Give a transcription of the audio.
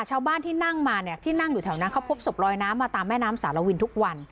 ชาวบ้านที่นั่งมาเนี่ยที่นั่งอยู่แถวนั้นเขาพบศพลอยน้ำมาตามแม่น้ำสารวินทุกวัน